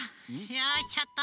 よいしょっと。